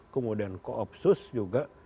kemudian koopsus juga